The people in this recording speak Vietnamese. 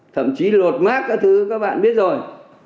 thậm chí lột mát các thứ các bạn biết rồi